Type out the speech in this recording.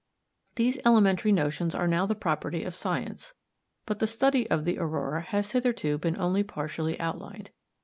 These elementary notions are now the property of science; but the study of the aurora has hitherto been only partially outlined.